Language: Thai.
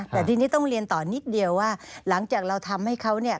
แต่ทีนี้ต้องเรียนต่อนิดเดียวว่าหลังจากเราทำให้เขาเนี่ย